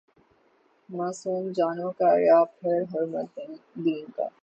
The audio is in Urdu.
معصوم جانوں کا یا پھرحرمت دین کا؟